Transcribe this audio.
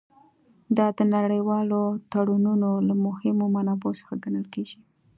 دا د نړیوالو تړونونو له مهمو منابعو څخه ګڼل کیږي